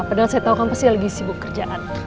padahal saya tau kan pasti lagi sibuk kerjaan